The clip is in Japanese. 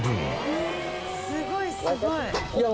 すごいすごい。